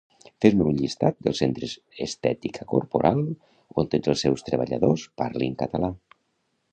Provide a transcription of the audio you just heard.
Fes-me llistat dels Centres Estètica Corporal on tots els seus treballadors parlin català